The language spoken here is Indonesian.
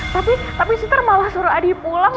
tapi tapi sister malah suruh adi pulang